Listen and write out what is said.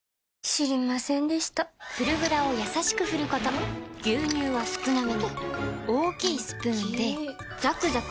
知りませんでした「フルグラ」をやさしく振ること牛乳は少なめに大きいスプーンで最後の一滴まで「カルビーフルグラ」